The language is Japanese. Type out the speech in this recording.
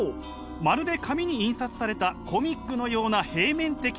まるで紙に印刷されたコミックのような平面的世界！